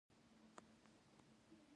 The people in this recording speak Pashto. د ژبې دښمنان د هغې له منځه وړل غواړي.